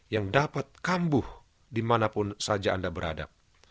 yang dapat kambuh dimanapun saja anda berada